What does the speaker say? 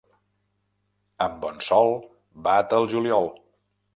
Amb bon sol, bat al juliol.